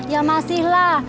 ya masih lah